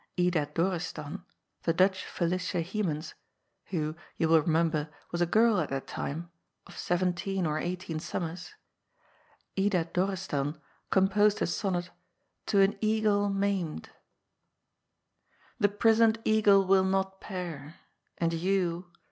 Ida Dorestan, the Dutch Felicia Hemans — who, you will re member, was a girl at that time, of seventeen or eighteen summers — Ida Dorestan composed a sonnet '* To an Eagle Maimed." cc The prisoned eagle will not pair, and you.